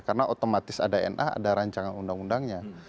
karena otomatis ada na ada rancangan undang undangnya